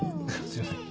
すいません。